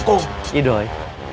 kuk kuk kuk